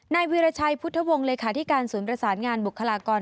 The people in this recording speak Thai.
นายวีรชัยพุทธวงศ์เลขาที่การสูญประสานงานบุคลากร